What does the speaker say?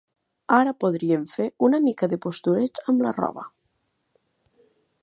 Ara podríem fer una mica de postureig amb la roba.